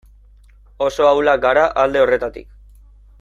Oso ahulak gara alde horretatik.